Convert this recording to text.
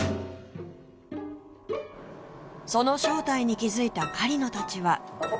その正体に気づいた狩野たちは